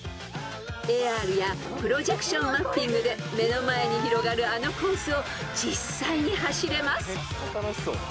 ［ＡＲやプロジェクションマッピングで目の前に広がるあのコースを実際に走れます］